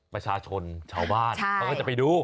ประชาชนชาวบ้านเขาก็จะไปดู